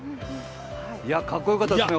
かっこよかったですね